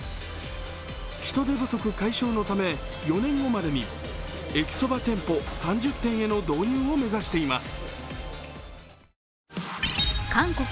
人手不足解消のため４年後までに駅そば店舗３０店への導入を目指しています。